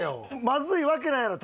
まずいわけないやろ。